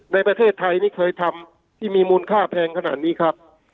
ในประเทศไทยนี่เคยทำที่มีมูลค่าแพงขนาดนี้ครับ